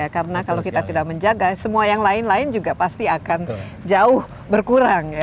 karena kalau kita tidak menjaga semua yang lain lain juga pasti akan jauh berkurang